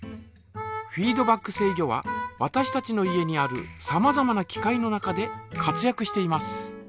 フィードバック制御はわたしたちの家にあるさまざまな機械の中で活やくしています。